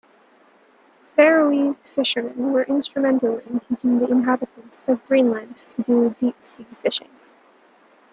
Faroese fishermen were instrumental in teaching the inhabitants of Greenland to do deepsea fishing.